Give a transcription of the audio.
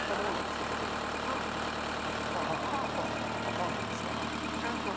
パンなんですか？